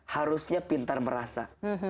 harusnya pintar merasa